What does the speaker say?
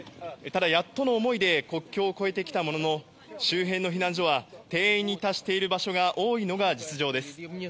ただ、やっとの思いで国境を越えてきたものの周辺の避難所は定員に達しているところが多いのが現状です。